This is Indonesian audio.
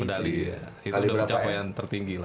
medali itu udah pencapaian tertinggi lah